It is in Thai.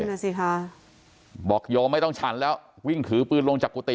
น่ะสิค่ะบอกโยมไม่ต้องฉันแล้ววิ่งถือปืนลงจากกุฏิ